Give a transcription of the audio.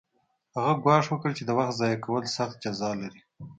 هغه ګواښ وکړ چې د وخت ضایع کول سخته جزا لري